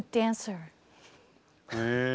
へえ。